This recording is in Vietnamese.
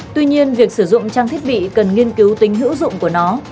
tuy nhiên việc sử dụng trang thiết bị cần nghiên cứu tính hữu dụng của nó